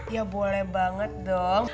ya boleh banget dong